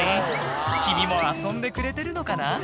君も遊んでくれてるのかな？